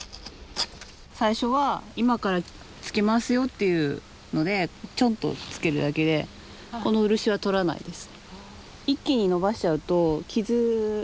最初は今からつけますよっていうのでチョンとつけるだけでこの漆はとらないです。